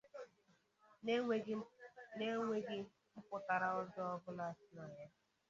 n'enweghị mpụtara ọjọọ ọbụla si na ya.